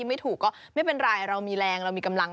ไม่เป็นไรเรามีแรงเรามีกำลัง